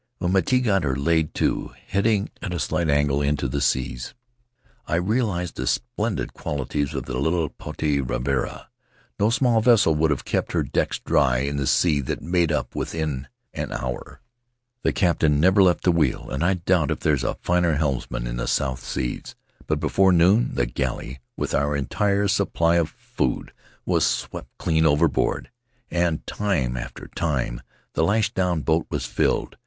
When Miti got her laid to, heading at a slight angle into the seas, I realized the splendid qualities of the little Potii Ravarava. No small vessel could have kept her decks dry in the sea that made up within an hour. The captain never left the wheel, and I doubt if there's a finer helmsman in the South Seas, but before noon the galley — with our entire supply of food —■ was swept clean overboard, and time after time the lashed down boat was filled.